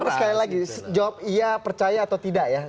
terus sekali lagi jawab iya percaya atau tidak ya